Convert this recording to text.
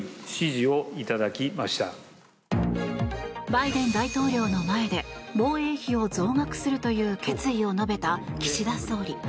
バイデン大統領の前で防衛費を増額するという決意を述べた岸田総理。